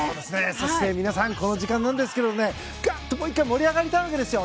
そして、皆さんこの時間なんですけどがっともう１回盛り上がりたいわけですよ！